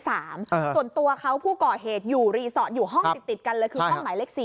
ส่วนตัวเขาผู้ก่อเหตุอยู่รีสอร์ทอยู่ห้องติดกันเลยคือห้องหมายเลข๔